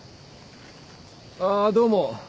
あっどうも。